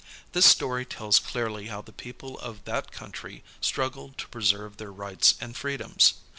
This story tells clearly how the people of that country struggled to preserve their rights and freedoms.